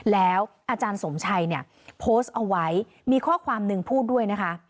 แล้วอาจารย์สมชัยเนี่ยโพสต์เอาไว้มีข้อความหนึ่งพูดด้วยนะคะ